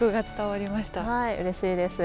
うれしいです。